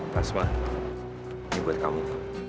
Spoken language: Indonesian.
pas mah ini buat kamu